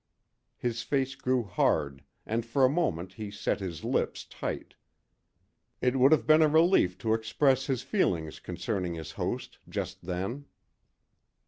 His face grew hard and for a moment he set his lips tight. It would have been a relief to express his feelings concerning his host just then.